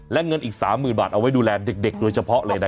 และเงินอีก๓๐๐๐บาทเอาไว้ดูแลเด็กโดยเฉพาะเลยนะ